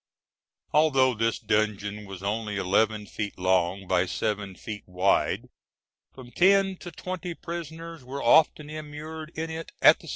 Although this dungeon was only eleven feet long by seven feet wide, from ten to twenty prisoners were often immured in it at the same time.